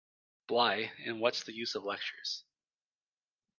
Bligh, in What's the Use of Lectures?